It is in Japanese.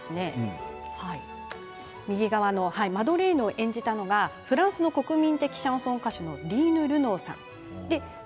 主人公２人を演じているのが右側のマドレーヌを演じているのがフランスの国民的シャンソン歌手のリーヌ・ルノーさんです。